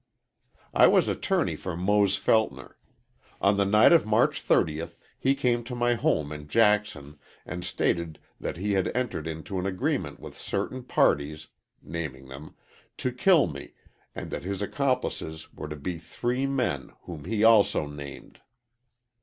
"I was attorney for Mose Feltner. On the night of March 30th he came to my home in Jackson, and stated that he had entered into an agreement with certain parties (naming them) to kill me and that his accomplices were to be three men whom he also named.